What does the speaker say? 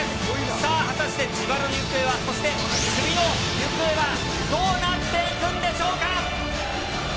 さあ、果たして自腹の行方は、そして、クビの行方はどうなっていくんでしょうか。